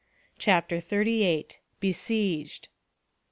CHAPTER THIRTY EIGHT. BESIEGED.